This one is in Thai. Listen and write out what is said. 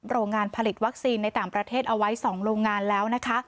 โรงงานผลิตวัคซีนในต่างประเทศเอาไว้๒โรงงานแล้วนะคะ